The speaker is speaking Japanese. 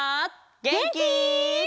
げんき？